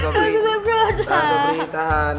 tahan tahan tahan